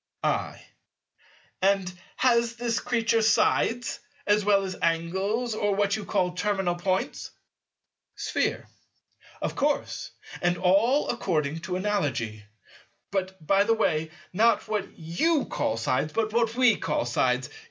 I. And has this Creature sides, as well as Angles or what you call "terminal Points"? Sphere. Of course; and all according to Analogy. But, by the way, not what you call sides, but what we call sides.